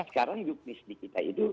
sekarang juknis di kita itu